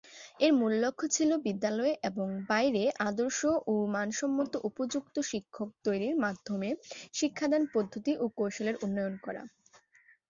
এর মূল লক্ষ্য ছিল বিদ্যালয়ে ও বাইরে আদর্শ ও মানসম্মত উপযুক্ত শিক্ষক তৈরির মাধ্যমে শিক্ষাদান পদ্ধতি ও কৌশলের উন্নয়ন।